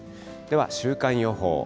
では週間予報。